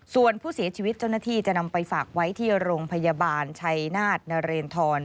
ส่วนผู้เสียชีวิตเจ้าหน้าที่จะนำไปฝากไว้ที่โรงพยาบาลชัยนาธนเรนทร